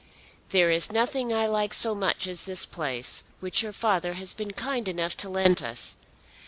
"There is nothing I like so much as this place, which your father has been kind enough to lend us.